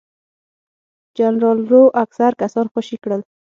جنرال لو اکثر کسان خوشي کړل.